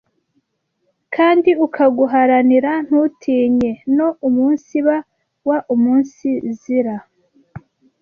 kandi ukaguharanira ntutinye no umunsiba waumunsizira;